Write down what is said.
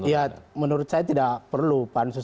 ya menurut saya tidak perlu pansus